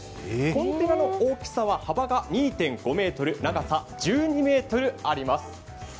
コンテナの大きさは幅が２．５ｍ長さ１２ｍあります。